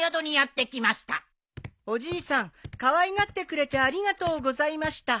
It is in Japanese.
かわいがってくれてありがとうごさいました。